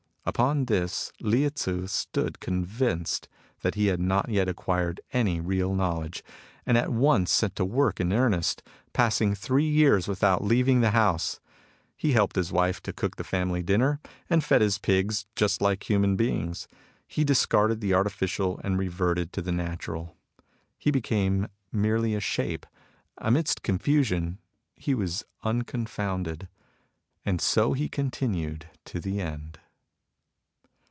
Upon this Lieh Tzu stood convinced that he had not yet acquired any real knowledge, and at once set to work in earnest, passing three years without leaving the house. He helped his wife to cook the family dinner, and fed his pigs just like human beings. He discarded the artificial and reverted to the natural. He became merely ^ Z.e., three phases of Tao, 65 MUSINGS OF A CHINESE MYSTIC a shape. Amidst confusion he was uncon founded. And so he continued to the end.